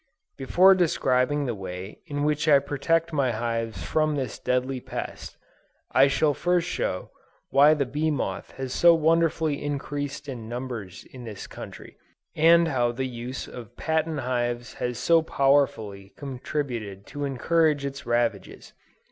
Before describing the way in which I protect my hives from this deadly pest, I shall first show why the bee moth has so wonderfully increased in numbers in this country, and how the use of patent hives has so powerfully contributed to encourage its ravages.